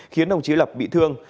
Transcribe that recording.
khiến đồng chí lập bị thương